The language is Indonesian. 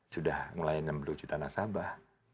sudah mulai enam puluh juta nasabah